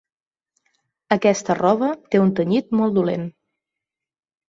Aquesta roba té un tenyit molt dolent.